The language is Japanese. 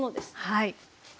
はい。